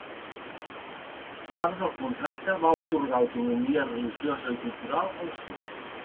Part del contracte va atorgar autonomia religiosa i cultural al sud.